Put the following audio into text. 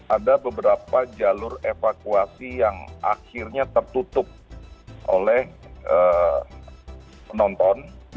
ada beberapa jalur evakuasi yang akhirnya tertutup oleh penonton